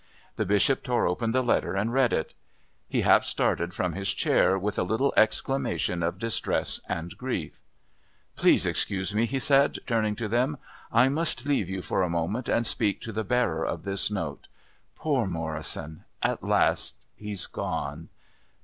The Bishop tore open the letter and read it. He half started from his chair with a little exclamation of distress and grief. "Please excuse me," he said, turning to them. "I must leave you for a moment and speak to the bearer of this note. Poor Morrison...at last... he's gone!